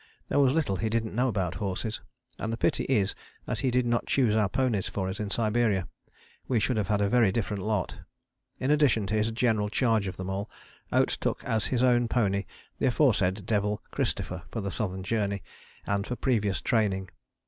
There was little he didn't know about horses, and the pity is that he did not choose our ponies for us in Siberia: we should have had a very different lot. In addition to his general charge of them all, Oates took as his own pony the aforesaid devil Christopher for the Southern Journey and for previous training.